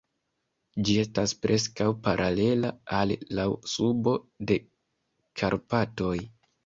Ĝi estas preskaŭ paralela al laŭ subo de Karpatoj.